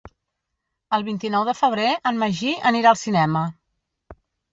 El vint-i-nou de febrer en Magí anirà al cinema.